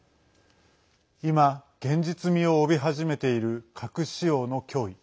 今、現実味を帯び始めている核使用の脅威。